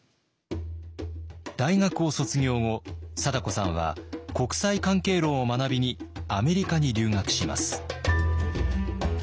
大学を卒業後貞子さんは国際関係論を学びにアメリカに留学します。